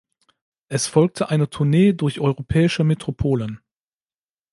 Es folgte eine Tournee durch europäische Metropolen.